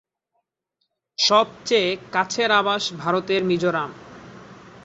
সবচেয়ে কাছের আবাস ভারতের মিজোরাম।